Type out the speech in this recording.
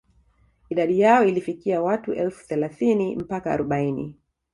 Idadi yao ilifikia watu elfu thelathini mpaka arobaini